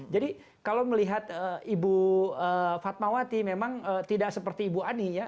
jadi kalau melihat ibu padmawati memang tidak seperti ibu ani ya